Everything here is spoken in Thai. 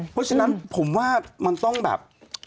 เพราะฉะนั้นผมว่ามันต้องแบบ